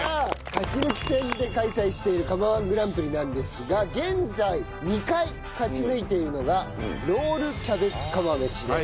勝ち抜き戦で開催している釜−１グランプリなんですが現在２回勝ち抜いているのがロールキャベツ釜飯です。